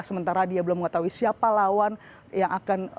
sementara dia belum mengetahui siapa lawan yang akan